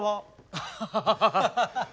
アハハハ！